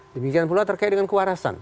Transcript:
demikian pula terkait dengan kewarasan